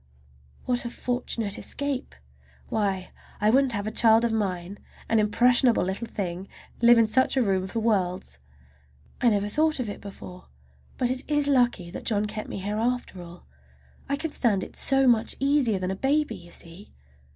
What a fortunate escape! Why, I wouldn't have a child of mine, an impressionable little thing, live in such a room for worlds. I never thought of it before, but it is lucky that John kept me here after all. I can stand it so much easier than a baby, you see.